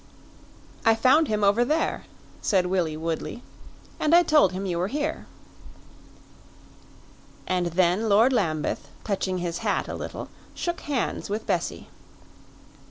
"I found him over there," said Willie Woodley, "and I told him you were here." And then Lord Lambeth, touching his hat a little, shook hands with Bessie.